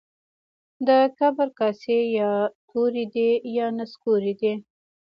د کبر کاسې يا توري دي يا نسکوري دي.